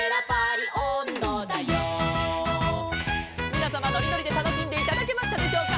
「みなさまのりのりでたのしんでいただけましたでしょうか」